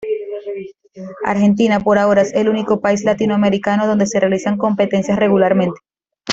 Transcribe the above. Argentina, por ahora, es el único país latinoamericano donde se realizan competencias regularmente.